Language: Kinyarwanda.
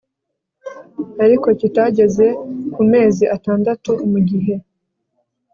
ariko kitageze ku mezi atandatu mu gihe